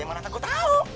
moleh apa gak gue tau